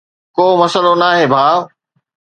ڪو مسئلو ناهي ڀاءُ.